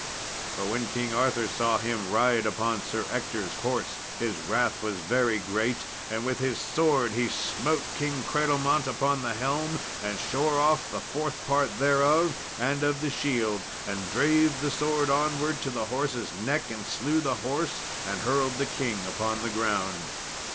But when King Arthur saw him ride upon Sir Ector's horse his wrath was very great, and with his sword he smote King Cradlemont upon the helm, and shore off the fourth part thereof and of the shield, and drave the sword onward to the horse's neck and slew the horse, and hurled the king upon the ground.